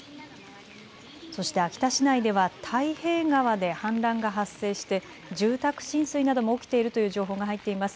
そして秋田市内では太平川で氾濫が発生して住宅浸水なども起きているという情報が入っています。